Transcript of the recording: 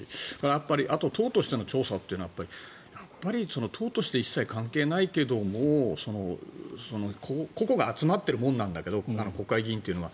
やっぱり、あと党としての調査というのは党として一切関係ないけども個々が集まっているものなんだけど国会議員というのは。